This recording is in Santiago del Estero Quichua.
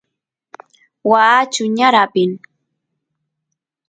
waa chuñar apin